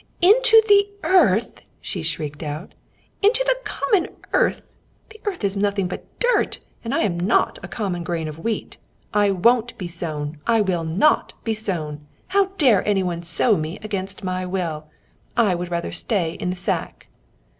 "Into the earth?" she shrieked out. "Into the common earth? The earth is nothing but dirt, and I am not a common grain of wheat. I won't be sown! I will not be sown! How dare anyone sow me against my will! I would rather stay in the sack."